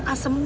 ada asam asem